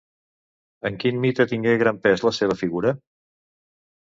En quin mite tingué gran pes la seva figura?